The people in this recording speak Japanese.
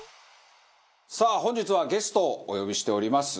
さあ本日はゲストをお呼びしております。